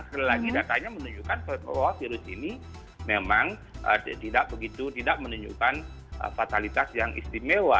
setelah didatanya menunjukkan bahwa virus ini memang tidak menunjukkan fatalitas yang istimewa